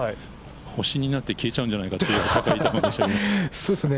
星になって消えちゃうんじゃないかという高い球でしたね。